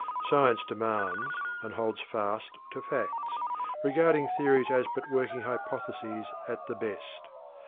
Science demands and holds fast to facts, regarding theories as but working hypotheses at the best.